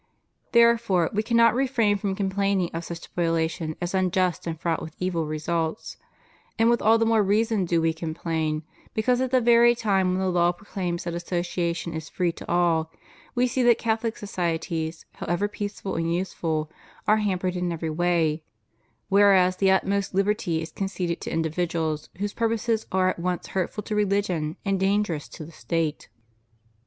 Therefore We cannot refrain from com plaining of such spoliation as unjust and fraught with evil results; and with all the more reason do We complain because, at the very time when the law proclaims that association is free to all, We see that Catholic societies, however peaceful and useful, are hampered in every way, whereas the utmost hberty is conceded to individuals whose purposes are at once hurtful to religion and dan gerous to the State.